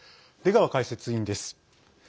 出川解説委員です。